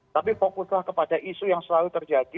tapi fokuslah kepada isu yang selalu terjadi